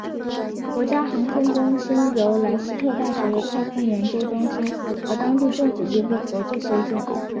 国家航天中心由莱斯特大学的太空研究中心和当地政府机构合作修建。